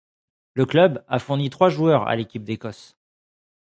Le club a fourni trois joueurs à l'Équipe d’Écosse.